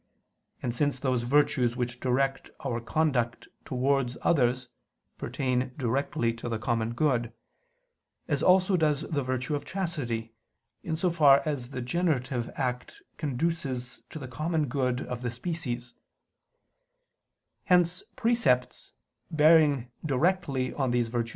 And since those virtues which direct our conduct towards others pertain directly to the common good, as also does the virtue of chastity, in so far as the generative act conduces to the common good of the species; hence precepts bearing directly on these virtues are given, both in the decalogue and in addition thereto.